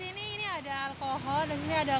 di sini ini ada alkohol di sini ada karbonat